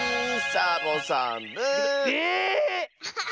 サボさんブーッ！